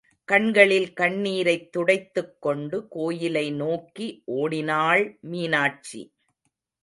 கண்களில் கண்ணீரைத் துடைத்து கொண்டு கோயிலை நோக்கி ஓடினாள் மீனாட்சி.